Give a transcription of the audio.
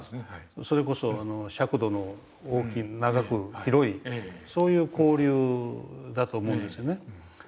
それこそ尺度の大きい長く広いそういう交流だと思うんですよね。